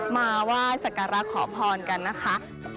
มาไหว้สักการะขอพรกันนะคะ